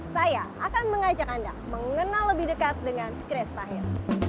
saya akan mengajak anda mengenal lebih dekat dengan chris tahir